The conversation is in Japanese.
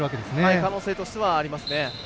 可能性としてはありますね。